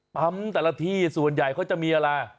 แต่ละที่ส่วนใหญ่เขาจะมีอะไร